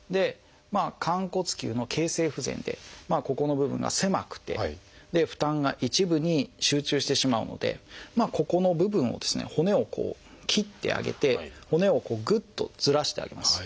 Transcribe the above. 寛骨臼の形成不全でここの部分が狭くて負担が一部に集中してしまうのでここの部分を骨を切ってあげて骨をぐっとずらしてあげます。